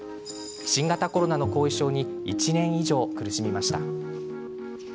新型コロナの後遺症に１年以上、苦しみました。